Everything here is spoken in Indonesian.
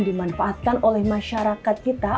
dimanfaatkan oleh masyarakat kita